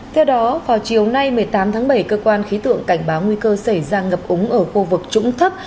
theo đó vào chiều nay một mươi tám tháng bảy cơ quan khí tượng cảnh báo nguy cơ xảy ra ngập úng ở khu vực trũng thấp